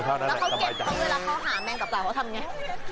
แล้วเขาเก็บเขาเวลาเขาหาแมงกลับเต่าเขาทำไง